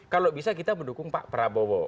kalau bisa kita mendukung pak prabowo